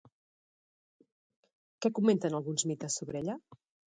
Què comenten alguns mites sobre ella?